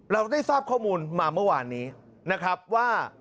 เราได้ทราบข้อมูลมาเมื่อวานนี้นะครับว่า